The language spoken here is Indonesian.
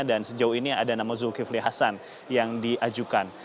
dan sejauh ini ada nama zulkifli hasan yang diajukan